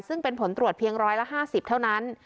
ซึ่งเป็นผลตรวจเพียงร้อยละ๕๐เท่านั้น